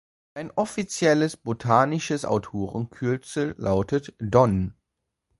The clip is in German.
Sein offizielles botanisches Autorenkürzel lautet „Donn“.